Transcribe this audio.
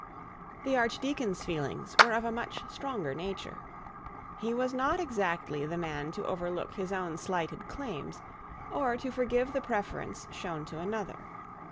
The archdeacon's feelings were of a much stronger nature. He was not exactly the man to overlook his own slighted claims, or to forgive the preference shown to another.